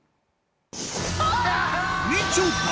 みちょぱ